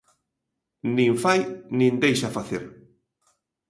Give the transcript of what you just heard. Nin fai nin deixa facer.